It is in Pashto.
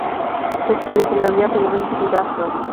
"تذکرةالاولیاء" په هلمند کښي پيدا سو.